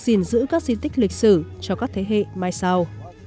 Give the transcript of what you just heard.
gìn giữ các di tích lịch sử cho các thế hệ mai sau